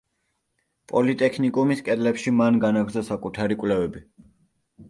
პოლიტექნიკუმის კედლებში მან განაგრძო საკუთარი კვლევები.